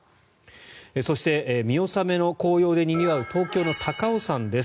そして、見納めの紅葉でにぎわう東京の高尾山です。